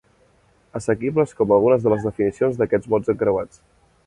Assequibles com algunes de les definicions d'aquests mots encreuats.